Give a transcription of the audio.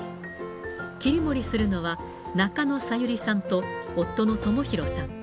切り盛りするのは、中野小百合さんと夫の智博さん。